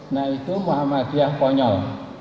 nah itu muhammadiyah konyol